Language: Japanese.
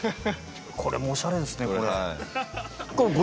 これもおしゃれですね、これ、はい。